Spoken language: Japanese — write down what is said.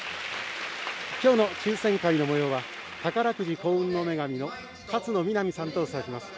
きょうの抽せん会のもようは宝くじ「幸運の女神」の勝野南美さんとお伝えします。